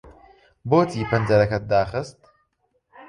بۆچی پەنجەرەکەت داخست؟